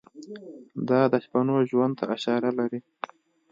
دا د شپنو ژوند ته اشاره لري.